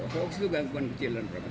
hoax itu gangguan kecil di dalam peradaban